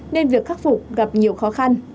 nên việc khắc phục gặp nhiều khó khăn